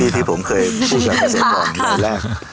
ที่ผมเคยพูดกันก่อนในแรก